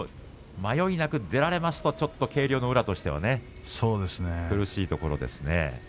迷いなく出られますと軽量の宇良とすると苦しいところですね。